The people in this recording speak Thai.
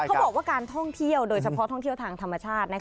เขาบอกว่าการท่องเที่ยวโดยเฉพาะท่องเที่ยวทางธรรมชาติ